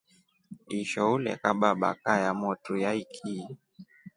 Isho ulekaba baka yamotru yaiki.